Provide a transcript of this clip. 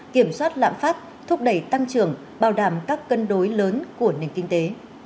kiểm soát lạm phát thúc đẩy tăng trưởng bảo đảm các cân đối lớn của nền kinh tế